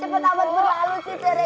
cepat amat berlalu sih serge